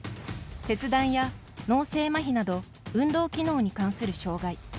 切断や脳性まひなど運動機能に関する障がい。